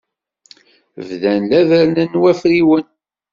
Bdan la berrnen wafriwen.